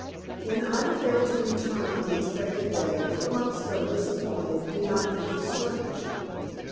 When Ida failed to return on the expected day, the Crumps, though disappointed, did not think it strange.